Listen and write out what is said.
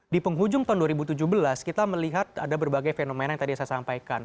di penghujung tahun dua ribu tujuh belas kita melihat ada berbagai fenomena yang tadi saya sampaikan